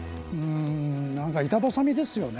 何か板挟みですよね。